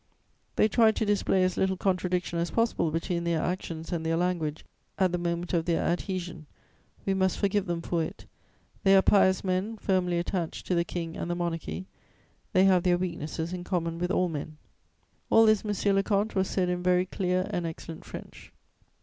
They tried to display as little contradiction as possible between their actions and their language at the moment of their adhesion: we must forgive them for it. They are pious men, firmly attached to the King and the Monarchy; they have their weaknesses in common with all men.' "All this, monsieur le comte, was said in very clear and excellent French.